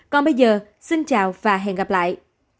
còn bây giờ xin chào và hẹn gặp lại